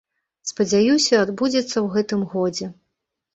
Спадзяюся, адбудзецца ў гэтым годзе.